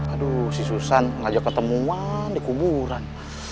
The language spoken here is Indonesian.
aduh si susan ngajak ketemuan di kuburan